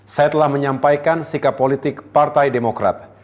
saya telah menyampaikan sikap politik partai demokrat